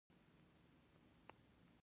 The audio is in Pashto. هره خواته د تېر زمان رښتينولۍ خوره وه.